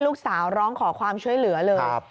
ลูกสาวร้องขอความช่วยเหลือเลย